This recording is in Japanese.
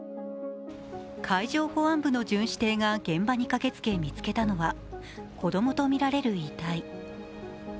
海上保安部の巡視艇が現場に駆けつけ見つけたのは子供とみられる遺体。